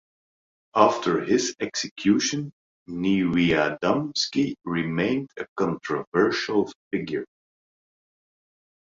After his execution, Niewiadomski remained a controversial figure.